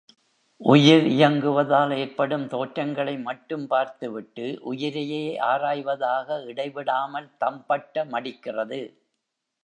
உயிர் இயங்குவதால் ஏற்படும் தோற்றங்களை மட்டும் பார்த்துவிட்டு, உயிரையே ஆராய்வதாக இடைவிடாமல் தம்பட்ட மடிக்கிறது.